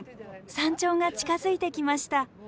山頂が近づいてきました。